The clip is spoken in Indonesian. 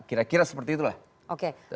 kira kira seperti itulah